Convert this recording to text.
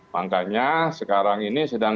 makanya sekarang ini sedang